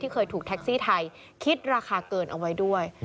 เคยถูกแท็กซี่ไทยคิดราคาเกินเอาไว้ด้วย